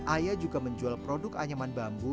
ayah juga menjual produk anyaman bambu